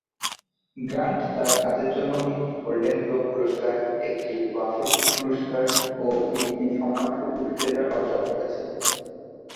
Grant তার কাজের জন্য একটি গোল্ডেন গ্লোব পুরস্কার, একটি বাফটা পুরস্কার ও একটি সম্মানসূচক সেজার অর্জন করেছেন।